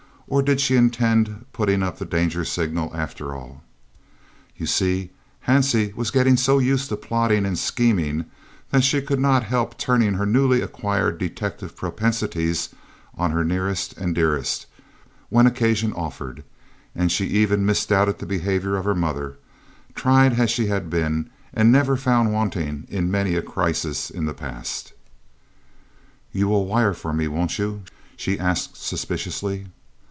Or did she intend putting up the danger signal, after all? You see, Hansie was getting so used to plotting and scheming that she could not help turning her newly acquired detective propensities on her nearest and dearest when occasion offered, and she even misdoubted the behaviour of her mother, tried as she had been, and never found wanting, in many a crisis in the past. "You will wire for me, won't you?" she asked suspiciously.